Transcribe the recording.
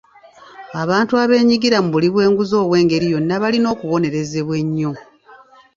Abantu abeenyigira mu buli bw'enguzi obw'engeri yonna balina okubonerezebwa ennyo.